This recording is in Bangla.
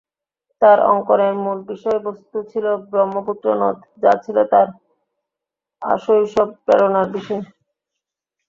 তাঁর অঙ্কনের মূল বিষয়বস্ত্ত ছিল ব্রহ্মপুত্র নদ, যা ছিল তাঁর আশৈশব প্রেরণার বিষয়।